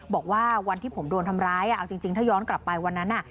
บอกว่าวันที่ผมโดนทำร้ายเอาจริงถ้าย้อนกลับไปวันนั้น